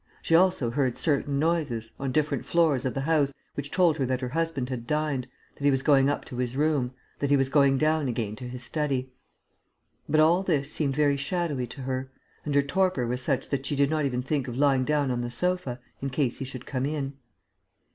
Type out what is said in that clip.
She also heard certain noises, on different floors of the house, which told her that her husband had dined, that he was going up to his room, that he was going down again to his study. But all this seemed very shadowy to her; and her torpor was such that she did not even think of lying down on the sofa, in case he should come in....